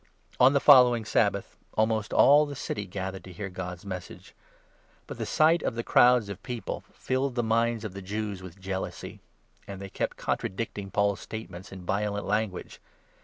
On the following Sabbath, almost all the city gathered to 44 hear God's Message. But the sight of the crowds of people 45 filled the minds of the Jews with jealousy, and they kept con tradicting Paul's statements in violent language.